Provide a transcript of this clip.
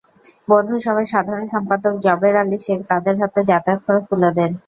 বন্ধুসভার সাধারণ সম্পাদক জবের আলী শেখ তাঁদের হাতে যাতায়াত খরচ তুলে দেন।